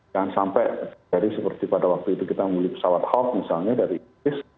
dan sampai jadi seperti pada waktu itu kita membeli pesawat hawk misalnya dari inggris